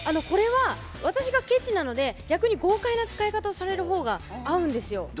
これは私がケチなので逆に豪快な使い方をされる方が合うんですよ。